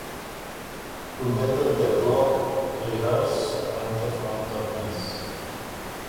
Together, they block, rehearse and perform the piece.